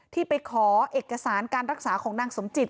ที่ไปขอเอกสารการรักษาของนางสมจิต